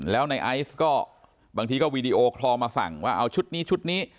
แล้วในไอซ์ก็บางทีก็วีดีโอคอลมาสั่งว่าเอาชุดนี้ชุดนี้